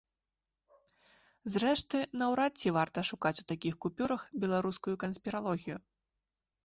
Зрэшты, наўрад ці варта шукаць у такіх купюрах беларускую канспіралогію.